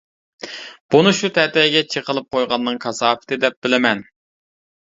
بۇنى شۇ تەتەيگە چېقىلىپ قويغاننىڭ كاساپىتى دەپ بىلىمەن.